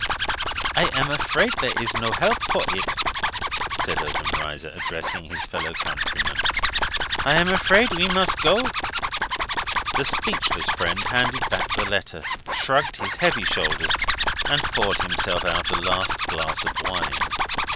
"I am afraid there is no help for it?" said Obenreizer, addressing his fellow countryman. "I am afraid we must go." The speechless friend handed back the letter, shrugged his heavy shoulders, and poured himself out a last glass of wine.